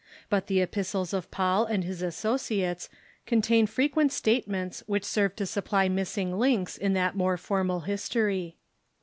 But the epistles of Paul and his associates contain frequent statements which serve to supply missing links in that more formal history.